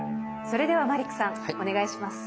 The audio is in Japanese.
それではマリックさんお願いします。